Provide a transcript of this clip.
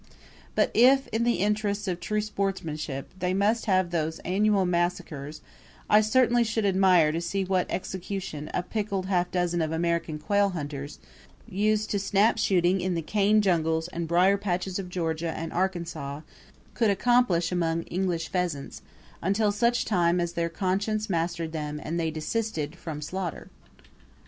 But if, in the interests of true sportsmanship, they must have those annual massacres I certainly should admire to see what execution a picked half dozen of American quail hunters, used to snap shooting in the cane jungles and brier patches of Georgia and Arkansas, could accomplish among English pheasants, until such time as their consciences mastered them and they desisted from slaughter!